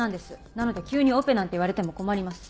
なので急にオペなんて言われても困ります。